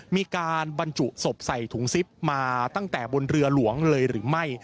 มีการบรรจุศพใส่ถุงซิปมาตั้งแต่บนเรือหลวงเลยหรือไม่